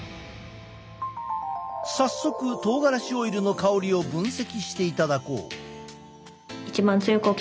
早速とうがらしオイルの香りを分析していただこう！